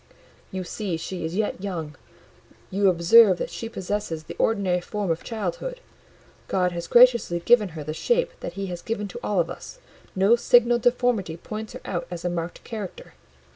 "You see she is yet young; you observe she possesses the ordinary form of childhood; God has graciously given her the shape that He has given to all of us; no signal deformity points her out as a marked character.